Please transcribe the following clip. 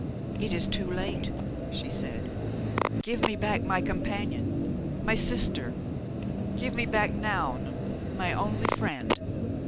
"It is too late," she said. "Give me back my companion, my sister; give me back Noun, my only friend!"